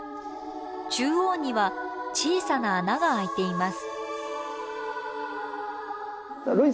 中央には小さな穴があいています。